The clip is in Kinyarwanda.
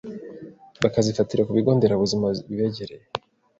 bakazifatira ku bigo nderabuzima bibegereye.